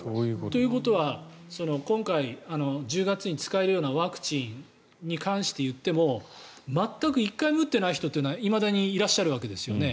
ということは今回、１０月に使えるようなワクチンに関していっても全く１回も打っていない人はいまだにいらっしゃるわけですよね。